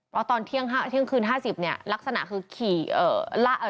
เพราะตอนเที่ยงห้าเที่ยงคืนห้าสิบเนี้ยลักษณะคือขี่เอ่อล่าเอ่อ